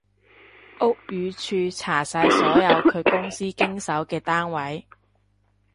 屋宇署查晒所有佢公司經手嘅單位